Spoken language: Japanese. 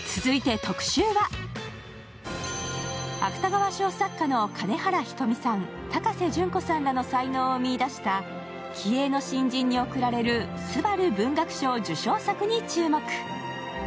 芥川賞作家の金原ひとみさん、高瀬隼子さんらの才能を見出した気鋭の新人に贈られるすばる文学賞受賞作に注目。